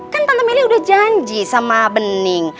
kan tante meli udah janji sama bening